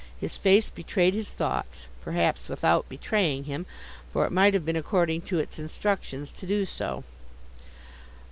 His face betrayed his thoughts—perhaps without betraying him, for it might have been according to its instructions so to do.